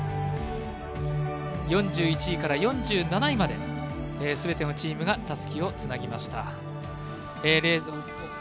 ４７位まですべてのチームがたすきをつなぎました。